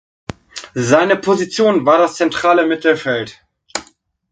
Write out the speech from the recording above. Seine Position war das zentrale Mittelfeld.